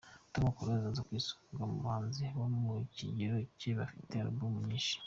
Tom Close aza ku isonga mu bahanzi bo mu kigero cye bafite album nyinshi.